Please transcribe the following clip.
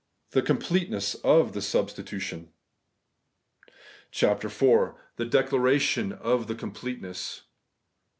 THE COMPLETENESS OF THE SUBSTITUTION, .... 26 CHAPTER IV. THE DECLARATION OF THE COMPLETENESS